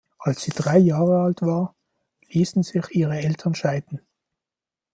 Als sie drei Jahre alt war, ließen sich ihre Eltern scheiden.